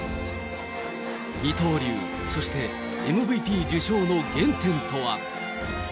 二刀流、そしてＭＶＰ受賞の原点とは。